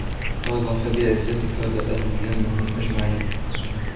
قال فبعزتك لأغوينهم أجمعين